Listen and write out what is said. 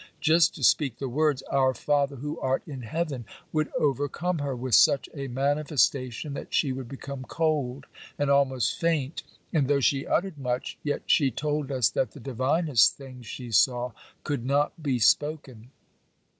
Just to speak the words, "Our Father who art in heaven," would overcome her with such a manifestation that she would become cold and almost faint; and though she uttered much, yet she told us that the divinest things she saw could not be spoken.